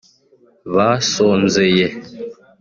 basonzeye